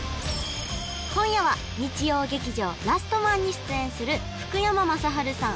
今夜は日曜劇場「ラストマン」に出演する福山雅治さん